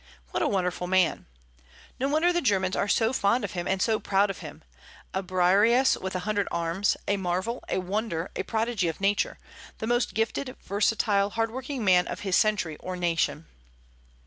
What a wonderful man! No wonder the Germans are so fond of him and so proud of him, a Briareus with a hundred arms; a marvel, a wonder, a prodigy of nature; the most gifted, versatile, hard working man of his century or nation!